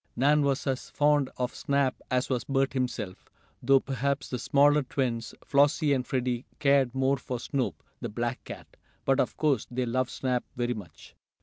Nan was as fond of Snap as was Bert himself, though perhaps the smaller twins, Flossie and Freddie cared more for Snoop, the black cat. But of course they loved Snap very much.